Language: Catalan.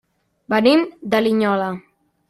Venim de Linyola.